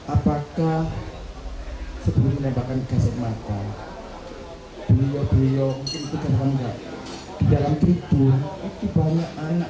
apakah sebelum menembakkan gaset mata beliau beliau mungkin tidak akan enggak